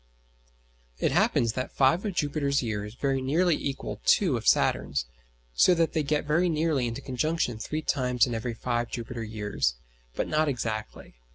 It happens that five of Jupiter's years very nearly equal two of Saturn's, so that they get very nearly into conjunction three times in every five Jupiter years, but not exactly.